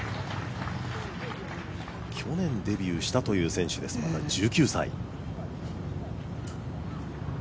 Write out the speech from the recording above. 去年デビューしたという選手ですまだ１９歳。